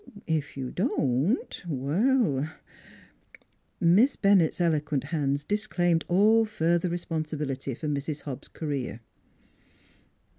Ef you won't, why " Miss Bennett's eloquent hands disclaimed all further responsibility for Mrs. Hobbs' career.